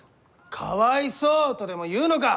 「かわいそう」とでも言うのか！？